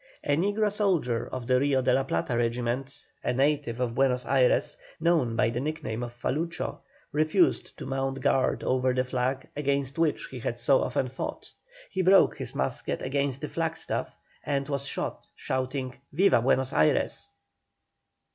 A negro soldier of the Rio de la Plata regiment, a native of Buenos Ayres, known by the nickname of "Falucho," refused to mount guard over the flag against which he had so often fought. He broke his musket against the flag staff, and was shot, shouting "Viva Buenos Ayres!"